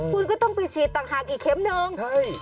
คุณก็ต้องไปฉีดต่างหากอีกเข็มนึง